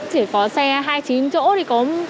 chỉ có xe hai mươi chín chỗ thì có